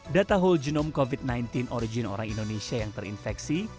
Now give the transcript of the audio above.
data whole genome covid sembilan belas origin orang indonesia yang terinfeksi